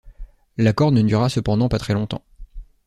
L'accord ne dura cependant pas très longtemps.